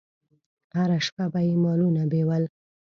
هره شپه به یې مالونه بېول.